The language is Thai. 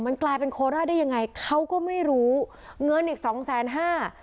มันกลายเป็นโคราชได้ยังไงเขาก็ไม่รู้เงินอีกสองแสนห้า